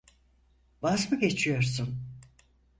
Vaz mı geçiyorsun?